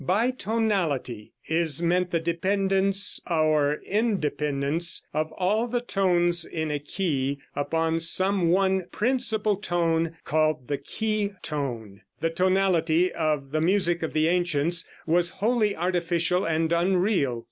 By "tonality" is meant the dependence or interdependence of all the tones in a key upon some one principal tone called the Key tone. The tonality of the music of the ancients was wholly artificial and unreal.